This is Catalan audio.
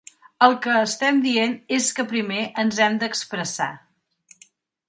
El que estem dient és que primer ens hem d’expressar.